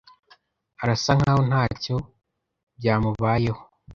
Arasa nkaho ntacyo byamubayeho.